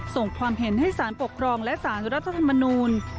ส่งความเห็นให้สารปกครองและสารรัฐธรรมนูล